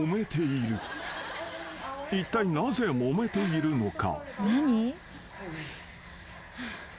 ［いったいなぜもめているのか？］